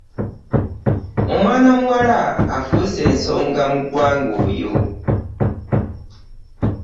Omwana muwala afuuse ensonga mu ggwanga oyo!